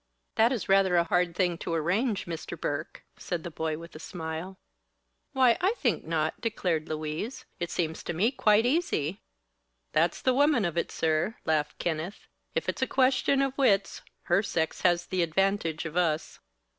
"That is rather a hard thing to arrange, Mr. Burke," said the boy, with a smile. "Why, I think not," declared Louise. "It seems to me quite easy." "That's the woman of it, sir," laughed Kenneth; "if it's a question of wits her sex has the advantage of us."